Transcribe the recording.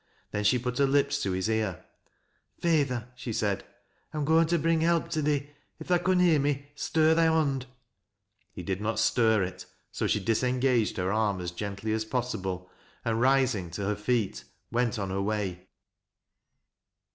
Then she put her lips to his ear. " Feyther," she said, " I'm goin' to bring help to thee. If tha con hear me, stir thy hond." ITe did not stir it, so she disengaged her arm as gently as possible, and, rising to her feet, went on her way.